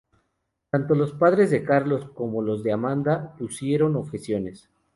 Tanto los padres de Carlos como los de Amanda pusieron objeciones.